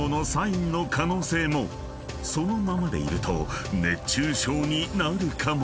［そのままでいると熱中症になるかも。